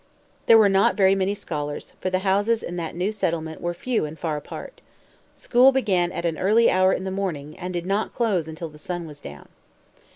There were not very many scholars, for the houses in that new settlement were few and far apart. School began at an early hour in the morning, and did not close until the sun was down.